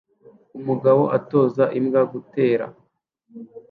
Umugabo atoza imbwa gutera